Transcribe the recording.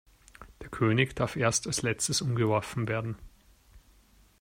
Der König darf erst als letztes umgeworfen werden.